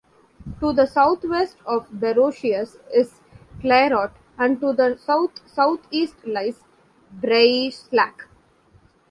To the southwest of Barocius is Clairaut, and to the south-southeast lies Breislak.